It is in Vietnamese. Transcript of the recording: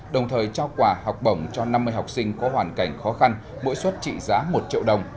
đồng thời trao quà học bổng cho năm mươi học sinh có hoàn cảnh khó khăn mỗi suất trị giá một triệu đồng